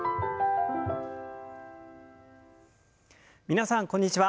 皆さんこんにちは。